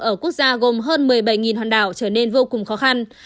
ở quốc gia gồm hơn một mươi bảy hòn đảo trở nên vô cùng khó khăn